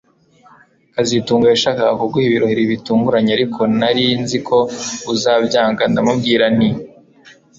kazitunga yashakaga kuguha ibirori bitunguranye ariko nari nzi ko uzabyanga ndamubwira nti